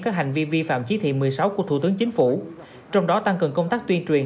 các hành vi vi phạm chí thị một mươi sáu của thủ tướng chính phủ trong đó tăng cường công tác tuyên truyền